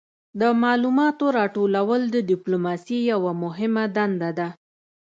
د معلوماتو راټولول د ډیپلوماسي یوه مهمه دنده ده